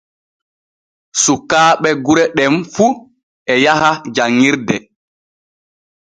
Sukaaɓe gure ɗem fu e yaha janŋirde.